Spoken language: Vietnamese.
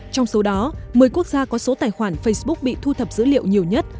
trong số đó một mươi quốc gia có số tài khoản facebook bị thu thập dữ liệu nhiều nhất